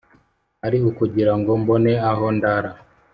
Ari ukugirango mbone aho ndara?